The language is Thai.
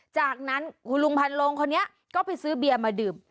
จากนั้นคุณลุงพันลงคนนี้ก็ไปซื้อเบียร์มาดื่ม